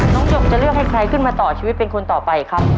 หยกจะเลือกให้ใครขึ้นมาต่อชีวิตเป็นคนต่อไปครับ